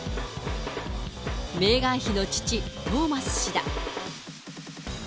メーガン妃の父、トーマス氏だ。